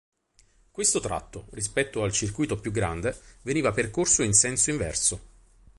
Questo tratto, rispetto al circuito più grande, veniva percorso in senso inverso.